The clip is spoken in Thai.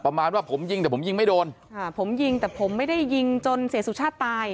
ประมาณว่าผมยิงแต่ผมยิงไม่โดนค่ะผมยิงแต่ผมไม่ได้ยิงจนเสียสุชาติตาย